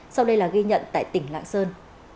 sau đây là ghi nhận tại tỉnh lạng sơn